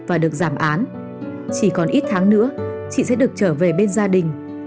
và được giảm án chỉ còn ít tháng nữa chị sẽ được trở về bên gia đình